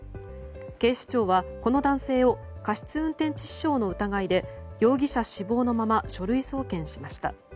警視庁は、この男性を過失運転致死傷の疑いで容疑者死亡のまま書類送検しました。